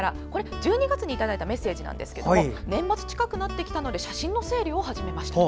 １２月にいただいたメッセージなんですが年末近くなってきたので写真の整理を始めました。